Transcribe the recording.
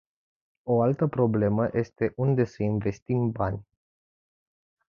O altă problemă este unde să investim bani.